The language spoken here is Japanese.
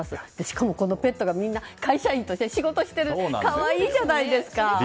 しかもペットがみんな会社員として仕事しているって可愛いじゃないですか。